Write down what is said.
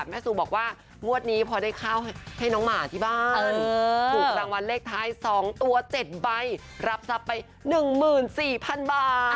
ซูบอกว่างวดนี้พอได้ข้าวให้น้องหมาที่บ้านถูกรางวัลเลขท้าย๒ตัว๗ใบรับทรัพย์ไป๑๔๐๐๐บาท